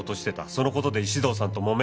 その事で石堂さんともめ。